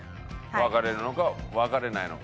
別れるのか別れないのか。